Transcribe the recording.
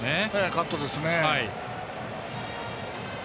カットですね。